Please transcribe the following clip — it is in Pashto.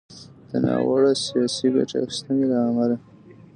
د ناوړه “سياسي ګټې اخيستنې” له امله